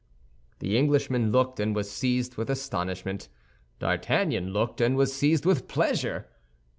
The Englishman looked, and was seized with astonishment. D'Artagnan looked, and was seized with pleasure.